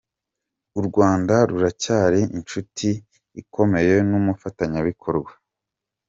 U Rwanda ruracyari inshuti ikomeye n’umufatanyabikorwa.